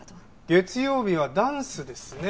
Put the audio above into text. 月曜日はダンスですね。